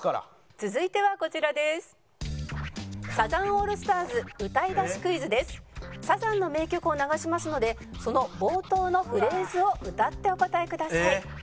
サザンの名曲を流しますのでその冒頭のフレーズを歌ってお答えください。